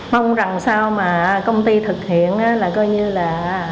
mong rằng sao mà công ty thực hiện là coi như là